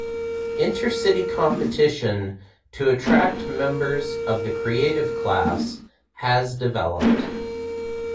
Inter-city competition to attract members of the Creative Class has developed.